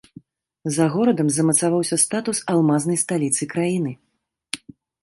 За горадам замацаваўся статус алмазнай сталіцы краіны.